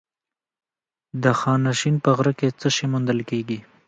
د خانشین په غره کې څه شی موندل کیږي؟